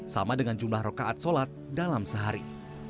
sama dengan jumlah rokaat sholat dalam sehari